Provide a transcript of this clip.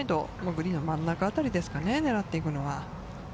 グリーンの真ん中あたりですかね、狙っていくのは。